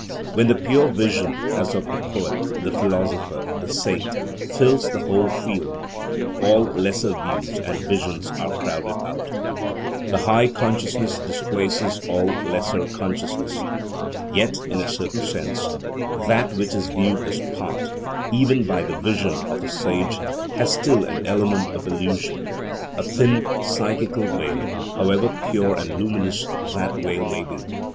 When the pure vision, as of the poet, the philosopher, the saint, fills the whole field, all lesser views and visions are crowded out. This high consciousness displaces all lesser consciousness. Yet, in a certain sense, that which is viewed as part, even by the vision of a sage, has still an element of illusion, a thin psychical veil, however pure and luminous that veil may be.